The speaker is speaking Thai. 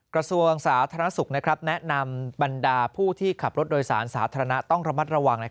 กระทรวงสาธารณสุขแนะนำบรรดาผู้ที่ขับรถโดยสารสาธารณะต้องระมัดระวัง